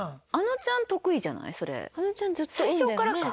最初からか。